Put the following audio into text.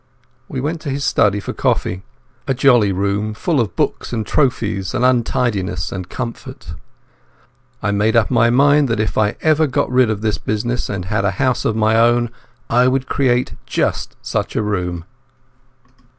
We went to his study for coffee, a jolly room full of books and trophies and untidiness and comfort. I made up my mind that if ever I got rid of this business and had a house of my own, I would create just such a room.